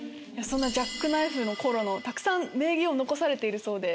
そんなジャックナイフの頃たくさん名言残されてるそうで。